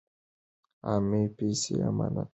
عامې پیسې امانت دي.